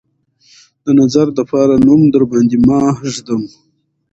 د نظر دپاره نوم درباندې ماه ږدم